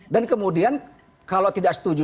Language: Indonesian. dan kemudian kalau tidak setuju